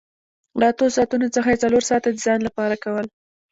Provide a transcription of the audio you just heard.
له اتو ساعتونو څخه یې څلور ساعته د ځان لپاره کول